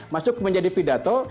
masuk menjadi pidato